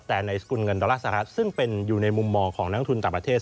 แต่ในสกุลเงินดอลลาร์สหรัฐซึ่งเป็นอยู่ในมุมมองของนักทุนต่างประเทศ